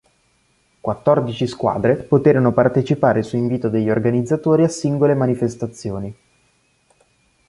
Quattordici squadre poterono partecipare su invito degli organizzatori a singole manifestazioni.